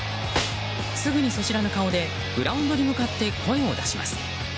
すぐに素知らぬ顔でグラウンドに向かって声を出します。